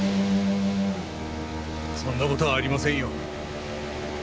そんな事はありませんよ。